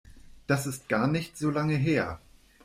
Das ist gar nicht so lange her.